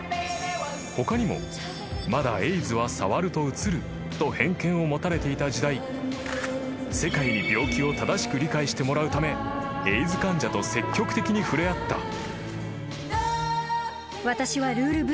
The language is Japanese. ［他にもまだエイズは触るとうつると偏見を持たれていた時代世界に病気を正しく理解してもらうためエイズ患者と積極的に触れ合った］